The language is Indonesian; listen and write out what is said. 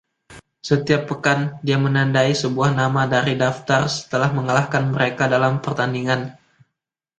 Setiap pekan, dia menandai sebuah nama dari daftar setelah mengalahkan mereka dalam pertandingan.